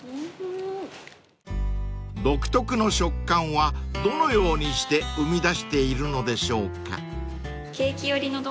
［独特の食感はどのようにして生み出しているのでしょうか？］